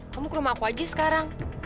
kamu ke rumah aku aja sekarang